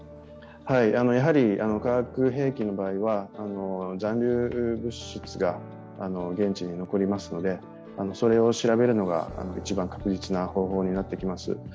化学兵器の場合は残留物質が現地に残りますのでそれを調べるのが一番確実な方法になってきます。